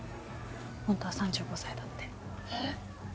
ほんとは３５歳だってえっ